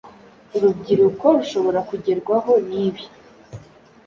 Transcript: urubyiruko rushobora kugerwaho nibi